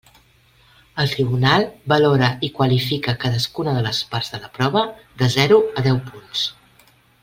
El tribunal valora i qualifica cadascuna de les parts de la prova de zero a deu punts.